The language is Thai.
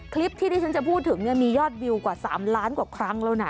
คลิปที่ที่ฉันจะพูดถึงมียอดวิวกว่า๓ล้านกว่าครั้งแล้วนะ